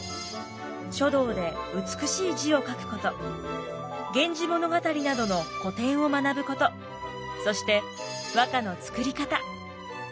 書道で美しい字を書くこと「源氏物語」などの古典を学ぶことそして和歌の作り方。